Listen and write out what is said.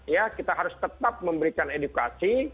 ya kita harus tetap memberikan edukasi